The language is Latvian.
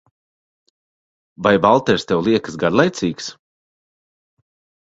Vai Valters tev liekas garlaicīgs?